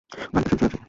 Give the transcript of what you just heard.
গাড়িতে সেন্সর আছে।